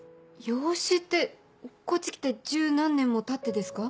養子ってこっち来て１０何年もたってですか？